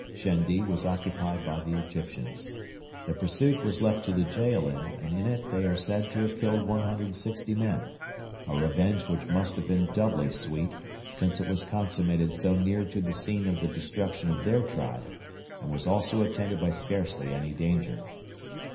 Shendi was occupied by the Egyptians. The pursuit was left to the Jaalin, and in it they are said to have killed 160 men a revenge which must have been doubly sweet since it was consummated so near to the scene of the destruction of their tribe, and was also attended by scarcely any danger.